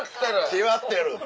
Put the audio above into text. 「閉まってる！」。